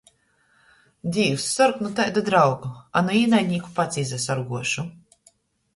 Dīvs, sorg nu taidu draugu, a nu īnaidnīku pats izasorguošu!